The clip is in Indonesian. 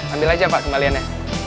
ambil aja pak kembaliannya